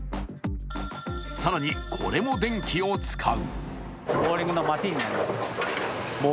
更に、これも電気を使う。